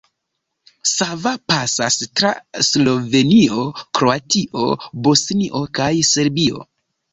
Sava pasas tra Slovenio, Kroatio, Bosnio kaj Serbio.